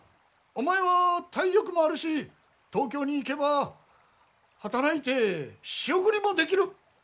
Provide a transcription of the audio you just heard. お前は体力もあるし東京に行けば働いて仕送りもできる。